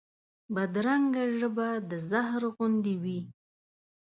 بدرنګه ژبه د زهر غوندې وي